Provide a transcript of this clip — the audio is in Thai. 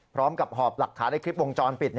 พร้อมกับหอบหลักฐานในคลิปวงจรปิด